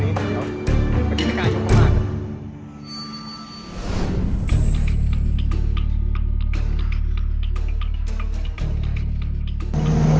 เมื่อกี้ไม่ได้หยุดมามาก